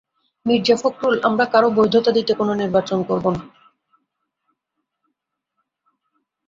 মির্জা ফখরুল আমরা কারও বৈধতা দিতে কোনো নির্বাচন করব না।